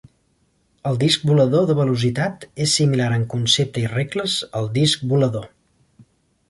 El disc volador de velocitat és similar en concepte i regles al disc volador.